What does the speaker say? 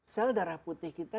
sel darah putih kita